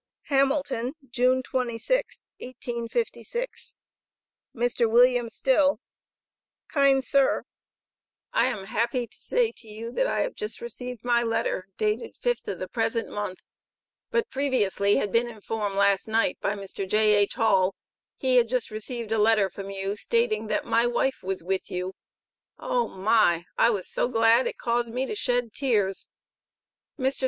HAMILTON June 26th, 1856, MR. WM. STILL: kine Sir: I am happy to say to you that I have jus reseved my letter dated 5 of the present month, but previeously had bin in form las night by Mr. J.H. Hall, he had jus reseved a letter from you stating that my wife was with you, oh my I was so glad it case me to shed tears. Mr.